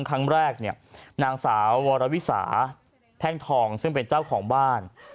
ครั้งแรกเนี่ยนางสาววรวิสาแท่งทองซึ่งเป็นเจ้าของบ้าน